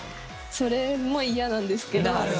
それも嫌なんですけど。